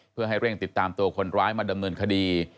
เพื่อให้เร่งติดตามตัวคนร้ายมาดำเนินคดี